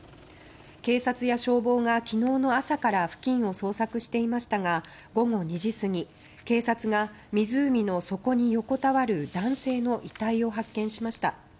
警察や消防が、昨日の朝から付近を捜索していましたが午後２時過ぎ警察が、湖の底に横たわる男性の遺体を発見しました。